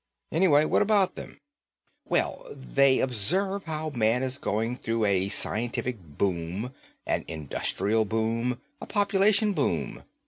"Anyway, what about them?" "Well, they observe how man is going through a scientific boom, an industrial boom, a population boom.